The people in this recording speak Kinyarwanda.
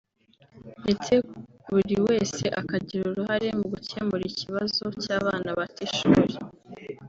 ndetse buri wese akagira uruhare mu gukemura ikibazo cy’abana bata ishuri